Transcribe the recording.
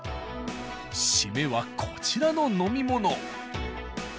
締めはこちらの飲み物。